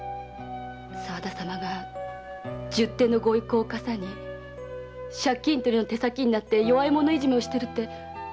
沢田様が十手のご威光を嵩に借金取りの手先になって弱い者いじめをしてるって本当ですか？